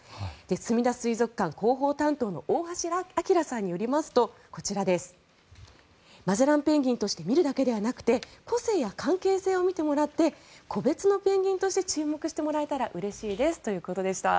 すみだ水族館広報担当の大橋諒さんによりますとこちら、マゼランペンギンとして見るだけではなくて個性や関係性を見てもらって個別のペンギンとして注目してもらえたらうれしいですということでした。